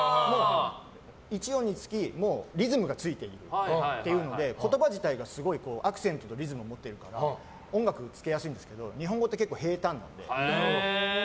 １音につきリズムがついているので言葉自体がすごい、アクセントとリズムを持っているから音楽つけやすいんですけど日本語って結構平坦なので。